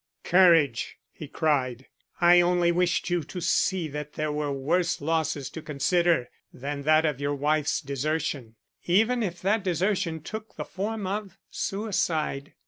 "Courage!" he cried. "I only wished you to see that there were worse losses to consider than that of your wife's desertion, even if that desertion took the form of suicide.